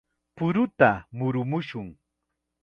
¡Puruta murumushun!